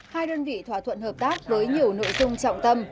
hai đơn vị thỏa thuận hợp tác với nhiều nội dung trọng tâm